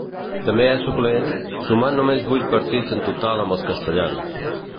També és suplent, sumant només vuit partits en total amb els castellans.